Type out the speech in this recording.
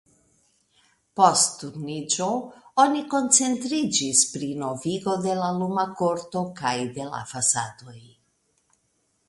Post Turniĝo oni koncentriĝis pri novigo de la luma korto kaj de la fasadoj.